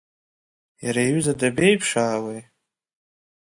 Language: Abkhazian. Иара иҩыза дабеиԥшаауеи?